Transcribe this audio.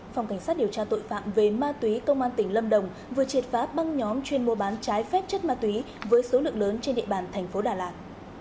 phòng cảnh sát điều tra tội phạm về ma túy công an tỉnh lâm đồng vừa triệt phá băng nhóm chuyên mua bán trái phép chất ma túy với số lượng lớn trên địa bàn thành phố đà lạt